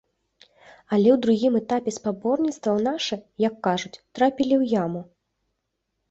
Але ў другім этапе спаборніцтваў нашы, як кажуць, трапілі ў яму.